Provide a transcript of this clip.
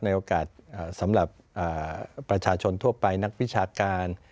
โอกาสสำหรับประชาชนทั่วไปนักวิชาการ